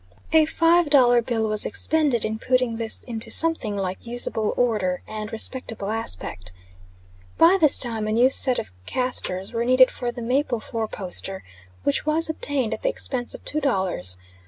A five dollar bill was expended in putting this into something like usable order and respectable aspect. By this time a new set of castors was needed for the maple four poster, which was obtained at the expense of two dollars.